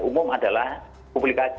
umum adalah publikasi